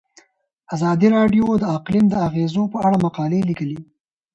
ازادي راډیو د اقلیم د اغیزو په اړه مقالو لیکلي.